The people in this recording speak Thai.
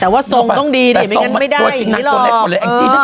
แต่สงต้องดีเนี่ยไม่อย่างนั้นไม่ได้อย่างนี้หรอก